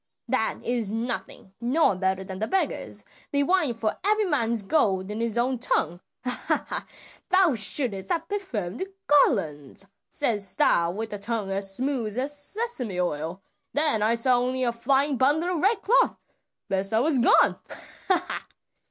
"Pooh! that is nothing; no one better than the beggars, they whine for every man's gold in his own tongue. Ha, ha! 'Thou shouldst have perfumed garlands,' saidst thou with tongue as smooth as Sesame oil; then I saw only a flying bundle of red cloth. Besa was gone. Ha, ha!"